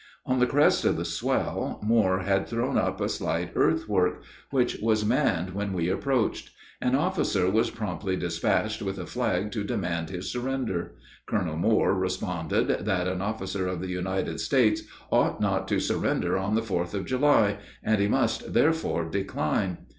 On the crest of the swell Moore had thrown up a slight earthwork, which was manned when we approached. An officer was promptly despatched with a flag to demand his surrender. Colonel Moore responded that an officer of the United States ought not to surrender on the Fourth of July, and he must therefore decline.